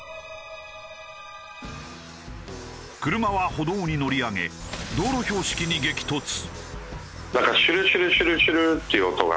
車は歩道に乗り上げ道路標識に激突。